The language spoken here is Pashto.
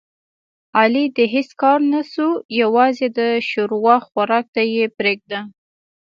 علي د هېڅ کار نشو یووازې د ښوروا خوراک ته یې پرېږده.